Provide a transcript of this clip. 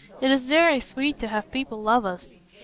It is very sweet to have people love us.